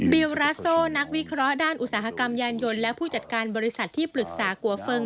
ิลราโซนักวิเคราะห์ด้านอุตสาหกรรมยานยนต์และผู้จัดการบริษัทที่ปรึกษากัวเฟิง